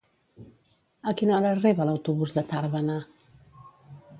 A quina hora arriba l'autobús de Tàrbena?